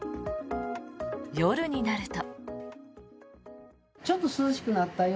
夜になると。